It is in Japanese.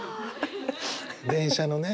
電車のね